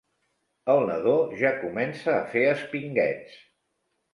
El nadó ja comença a fer espinguets.